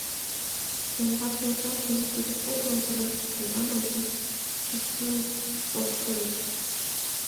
Яндар шинчаж дене тудо кок могырыш чоян ончыштын ошкылеш.